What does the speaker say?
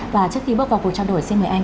và trước khi bước vào cuộc trao đổi xin mời anh